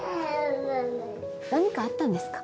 何かあったんですか？